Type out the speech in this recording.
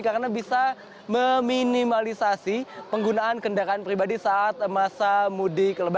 karena bisa meminimalisasi penggunaan kendaraan pribadi saat masa mudik